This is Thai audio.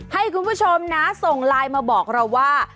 ให้คุณผู้ชมนะส่งไลน์มาบอกเราว่า